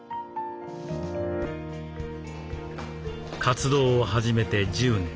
活動を始めて１０年。